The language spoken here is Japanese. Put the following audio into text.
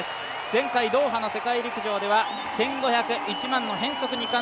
前回ドーハの世界陸上では１５００ｍ１００００の変則２冠。